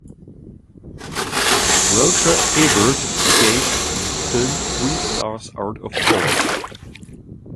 Roger Ebert gave the film three stars out of four.